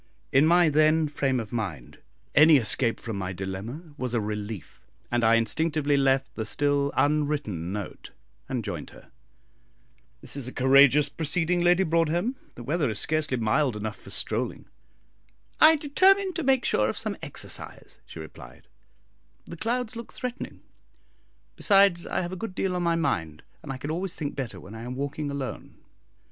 In my then frame of mind, any escape from my dilemma was a relief, and I instinctively left the still unwritten note and joined her. "This is a courageous proceeding, Lady Broadhem; the weather is scarcely mild enough for strolling." "I determined to make sure of some exercise," she replied, "the clouds look threatening; besides, I have a good deal on my mind, and I can always think better when I am walking alone."